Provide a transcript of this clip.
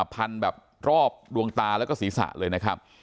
พันแบบรอบดวงตาแล้วก็ศีรษะเลยนะครับ